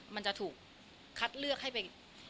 มันจะถูกคัดเลือกให้ไป